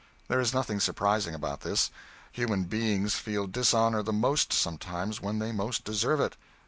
There is nothing surprising about this. Human beings feel dishonor the most, sometimes, when they most deserve it.